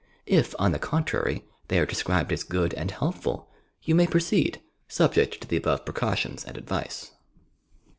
If, on the contrary, they are described as good and helpful, you may proceed, subject to the above precautions and advice.